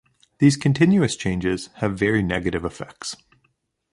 These continuous changes have very negative effects.